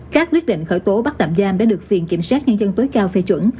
các quyết định khởi tố bắt tạm giam đã được viện kiểm sát nhân dân tối cao phê chuẩn